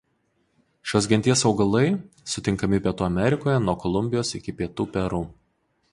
Šios genties augalai sutinkami Pietų Amerikoje nuo Kolumbijos iki pietų Peru.